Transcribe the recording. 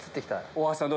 大橋さん